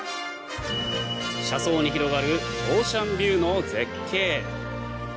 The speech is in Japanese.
車窓に広がるオーシャンビューの絶景。